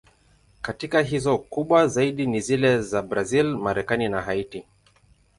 Katika hizo, kubwa zaidi ni zile za Brazil, Marekani na Haiti.